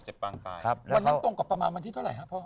ปางตายครับวันนั้นตรงกับประมาณวันที่เท่าไหร่ครับพ่อ